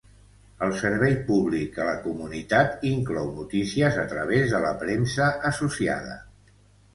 El servei públic a la comunitat inclou noticies a través de la Premsa Associada.